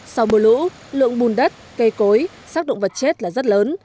sau mơ lũ lượng bùn đất cây cối sát động vật chết là rất lớn